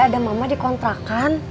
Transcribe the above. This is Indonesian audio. ada mama di kontrakan